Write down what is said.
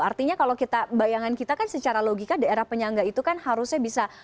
artinya kalau kita bayangan kita kan secara logika daerah penyangga itu kan harusnya bisa